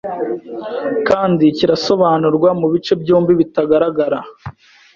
kandi kirasobanurwa mubice byombi bitagaragara